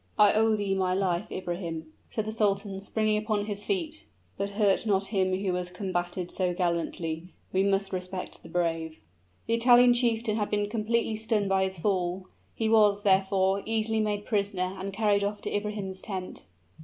"I owe thee my life, Ibrahim," said the sultan, springing upon his feet. "But hurt not him who has combated so gallantly: we must respect the brave!" The Italian chieftain had been completely stunned by his fall; he was, therefore, easily made prisoner and carried off to Ibrahim's tent.